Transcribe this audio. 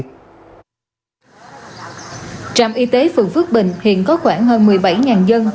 trạm y tế phường phước bình hiện có khoảng hơn một mươi bảy dân